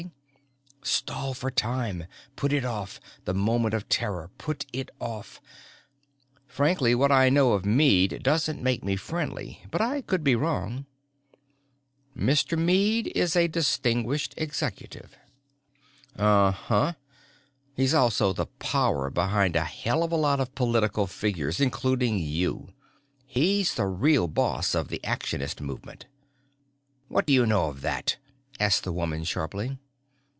Stall for time! Put it off, the moment of terror, put it off! "Frankly, what I know of Meade doesn't make me friendly. But I could be wrong." "Mr. Meade is a distinguished executive." "Uh huh. He's also the power behind a hell of a lot of political figures, including you. He's the real boss of the Actionist movement." "What do you know of that?" asked the woman sharply.